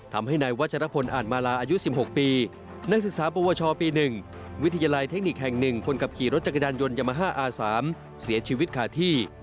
ทำให้นายวัชรพลอ่านมาลาอายุ๑๖ปีนักศึกษาปวชปี๑วิทยาลัยเทคนิคแห่ง๑คนขับขี่รถจักรยานยนต์ยามาฮ่าอาสามเสียชีวิตขาดที่